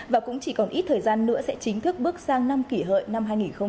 và cũng chỉ còn ít thời gian nữa sẽ chính thức bước sang năm kỷ hợi năm hai nghìn một mươi chín